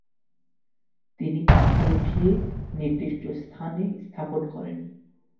তিনি পাথর উঠিয়ে নির্দিষ্ট স্থানে স্থাপন করেন।